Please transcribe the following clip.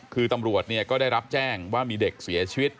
คือตำรวจก็ได้รับแจ้งว่ามีเด็กเสียชีวิต